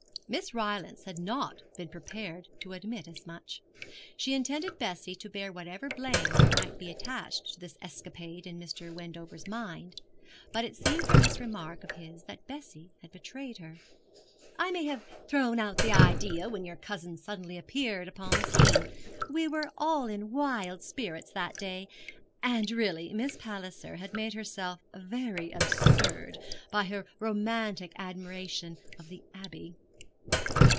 Miss Rylance had not been prepared to admit as much. She intended Bessie to bear whatever blame there might be attached to the escapade in Mr. Wendover's mind; but it seemed from this remark of his that Bessie had betrayed her. 'I may have thrown out the idea when your cousin suddenly appeared upon the scene. We were all in wild spirits that day. And really Miss Palliser had made herself very absurd by her romantic admiration of the Abbey.'